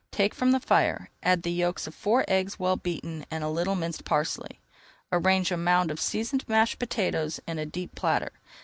Take from the fire, add the yolks of four eggs well beaten and a little minced parsley. Arrange a mound of seasoned mashed potatoes in a deep platter.